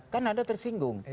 kan anda tersinggung